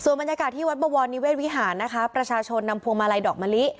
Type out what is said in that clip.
บรรยากาศที่วัดบวรนิเวศวิหารนะคะประชาชนนำพวงมาลัยดอกมะลิ